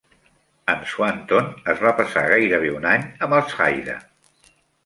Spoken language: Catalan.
En Swanton es va passar gairebé un any amb els Haida.